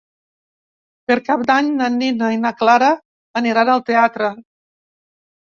Per Cap d'Any na Nina i na Clara aniran al teatre.